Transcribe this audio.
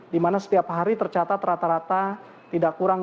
di mana setiap hari tercatat kita masih mencapai sembilan satu triliun perharinya